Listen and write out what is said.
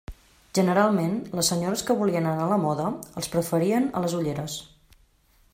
Generalment, les senyores que volien anar a la moda, els preferien a les ulleres.